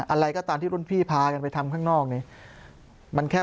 อะไรก็ตามที่รุ่นพี่พากันไปทำข้างนอกเนี่ย